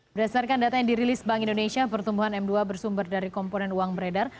berdasarkan data yang dirilis bank indonesia pertumbuhan m dua bersumber dari komponen uang beredar